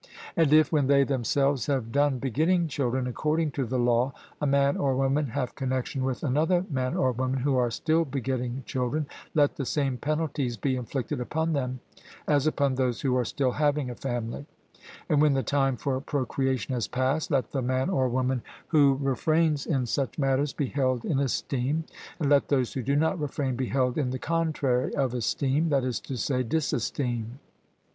And if, when they themselves have done begetting children according to the law, a man or woman have connexion with another man or woman who are still begetting children, let the same penalties be inflicted upon them as upon those who are still having a family; and when the time for procreation has passed let the man or woman who refrains in such matters be held in esteem, and let those who do not refrain be held in the contrary of esteem that is to say, disesteem.